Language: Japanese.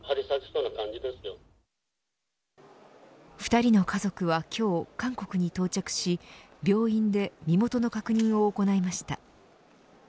２人の家族は今日韓国に到着し病院で身元の確認を行いました。